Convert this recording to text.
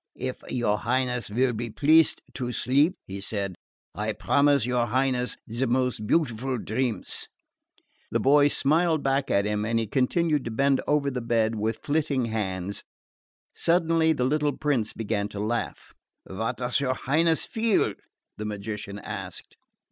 "If your Highness will be pleased to sleep," he said, "I promise your Highness the most beautiful dreams." The boy smiled back at him and he continued to bend above the bed with flitting hands. Suddenly the little prince began to laugh. "What does your Highness feel?" the magician asked.